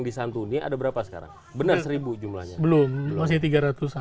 disantuni ada berapa sekarang